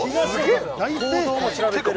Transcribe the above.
行動も調べてる。